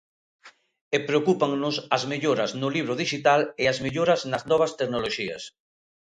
E preocúpannos as melloras no libro dixital e as melloras nas novas tecnoloxías.